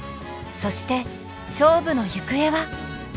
そして勝負のゆくえは。